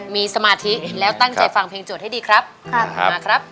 มีสมาธิแล้วตั้งใจฟังเพลงโจทย์ให้ดีครับค่ะมาครับ